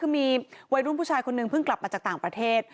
มีวัยรุ่นชายเพิ่งกลับมาจากต่างประเทศ